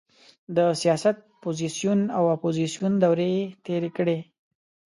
د سیاست پوزیسیون او اپوزیسیون دورې یې تېرې کړې.